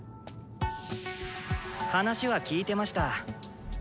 話は聞いてました。